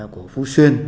của phú xuyên